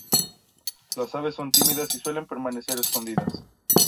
Las aves son tímidas y suelen permanecer escondidas.